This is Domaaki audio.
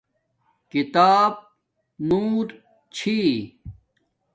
کتاب نور چھی